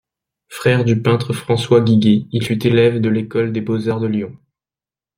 Frère du peintre François Guiguet, il fut élève à l'École des Beaux-Arts de Lyon.